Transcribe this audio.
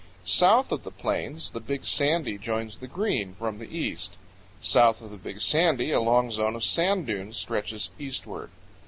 South of the plains the Big Sandy joins the Green from the east. South of the Big Sandy a long zone of sand dunes stretches eastward.